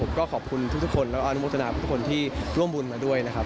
ก็ขอบคุณทุกคนแล้วก็อนุโมทนาทุกคนที่ร่วมบุญมาด้วยนะครับ